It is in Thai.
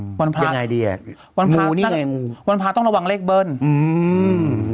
อือวันพระยังไงดีอ่ะงูงูวันพระต้องระวังเลขเบิ้ลอือ